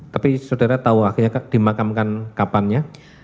tapi saudara tahu akhirnya dimakamkan kapannya